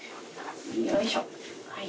よいしょ。